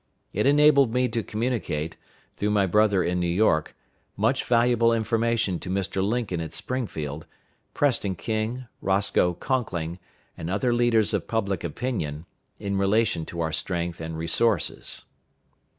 It enabled me to communicate, through my brother in New York, much valuable information to Mr. Lincoln at Springfield, Preston King, Roscoe Conkling, and other leaders of public opinion, in relation to our strength and resources.